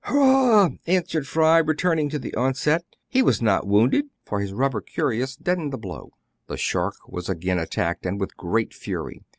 "Hurrah!" answered Fry, returning to the onset. He was not wounded ; for his rubber cuirass deadened the blow. The shark was again attacked^ and with great fury.